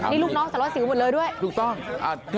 นี่ลูกน้องสละวัดสิวหมดเลยด้วย